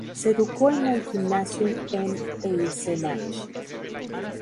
Se educó en el Gymnasium en Eisenach.